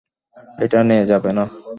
এটা নেয়া যাবে না।